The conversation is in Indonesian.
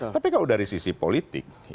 tapi kalau dari sisi politik